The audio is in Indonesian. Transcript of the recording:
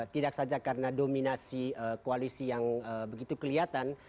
tidak saja karena dominasi koalisi yang begitu kelihatan